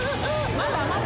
まだまだ。